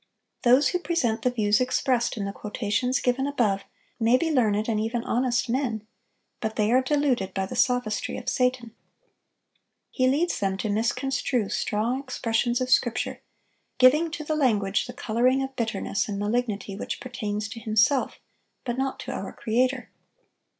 Those who present the views expressed in the quotations given above may be learned and even honest men; but they are deluded by the sophistry of Satan. He leads them to misconstrue strong expressions of Scripture, giving to the language the coloring of bitterness and malignity which pertains to himself, but not to our Creator.